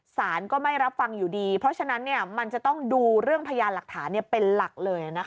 สารก็ไม่รับฟังอยู่ดีเพราะฉะนั้นมันจะต้องดูเรื่องพยานหลักฐานเป็นหลักเลย